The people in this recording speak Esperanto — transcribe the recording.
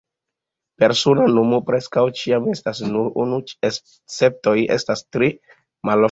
Persona nomo preskaŭ ĉiam estas nur unu, esceptoj estas tre maloftaj.